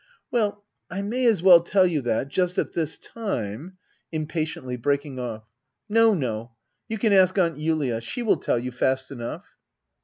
Well, I may as well tell you that — just at this time [Impatiently, breaking off.] No, no ; you can ask Aunt Julia. She will tell you, fast enough.